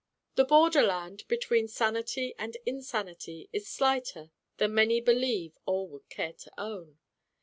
The borderland between sanity and insanity is slighter than many believe or would care to own.